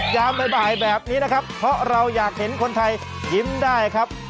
ยามบ่ายแบบนี้นะครับเพราะเราอยากเห็นคนไทยยิ้มได้ครับ